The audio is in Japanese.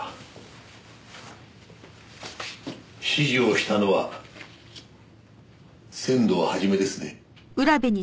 指示をしたのは仙堂肇ですね？